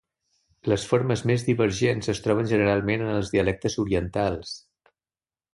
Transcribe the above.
Les formes més divergents es troben generalment en els dialectes orientals.